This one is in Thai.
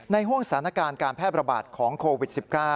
ห่วงสถานการณ์การแพร่ประบาดของโควิด๑๙